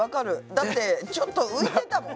だってちょっと浮いてたもん。